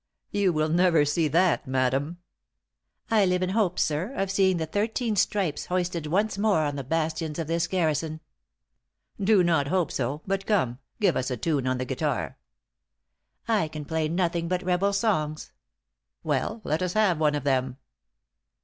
'You will never see that, madam!' "'I live in hopes, sir, of seeing the thirteen stripes hoisted once more on the bastions of this garrison.' "'Do not hope so; but come, give us a tune on the guitar.' "'I can play nothing but rebel songs.' "'Well, let us have one of them.'